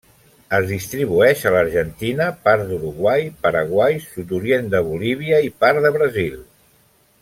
Es distribueix a l'Argentina, part d'Uruguai, Paraguai, sud-orient de Bolívia i part de Brasil.